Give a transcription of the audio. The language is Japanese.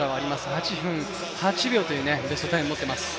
８分８秒というベストタイムを持っています。